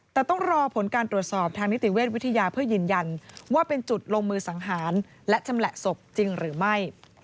แต่ต้องรอผลการตรวจสอบทางนิติเวชวิทยาเพื่อยืนยันว่าเป็นจุดลงมือสังหารและชำแหละศพจริงหรือไม่